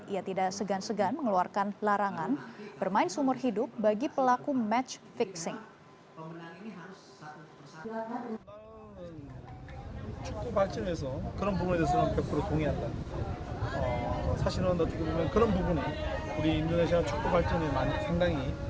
ia tidak segan segan mengeluarkan larangan bermain sumur hidup bagi pelaku match fixing